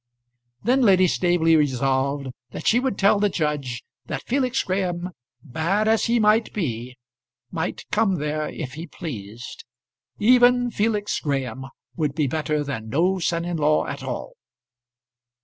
Then Lady Staveley resolved that she would tell the judge that Felix Graham, bad as he might be, might come there if he pleased. Even Felix Graham would be better than no son in law at all.